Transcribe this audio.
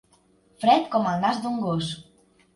Fred com el nas d'un gos.